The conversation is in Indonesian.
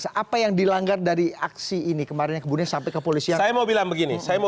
apa yang dilanggar dari aksi ini kemarin kemudian sampai kepolisian saya mau bilang begini saya mau